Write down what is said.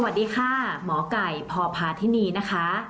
สวัสดีค่ะหมอไก่พพาธินีนะคะ